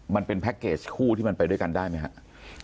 มันเป็นแพ็คเกจคู่ที่มันไปด้วยกันได้ไหมครับ